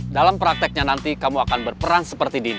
dalam prakteknya nanti kamu akan berperan seperti dini